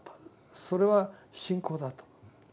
それは信仰だと。